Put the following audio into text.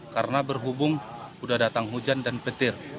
karena berhubung sudah datang hujan dan petir